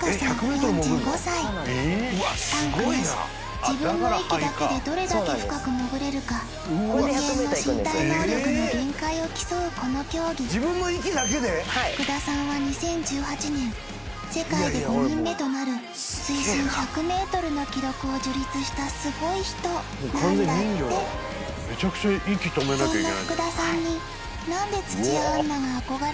４５歳タンクなし自分の息だけでどれだけ深く潜れるか人間の身体能力の限界を競うこの競技福田さんは２０１８年世界で５人目となる水深１００ｍの記録を樹立したスゴイ人なんだってそんな福田さんになんで土屋アンナが憧れているのかというと